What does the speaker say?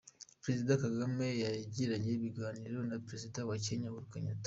Perezida Kagame yagiranye ibiganiro na Perezida wa Kenya Uhuru Kenyatta.